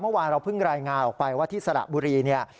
เมื่อวานเราเพิ่งรายงานออกไปว่าที่สระบุรีเนี่ย